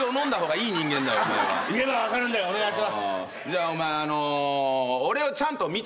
じゃあお前俺をちゃんと見とけ。